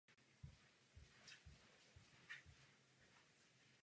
Ve vsi je též zastávka autobusové linkové dopravy.